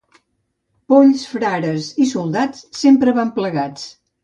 Polls, frares i soldats sempre van plegats.